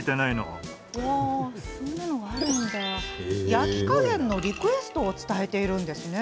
焼き加減のリクエストを伝えているんです。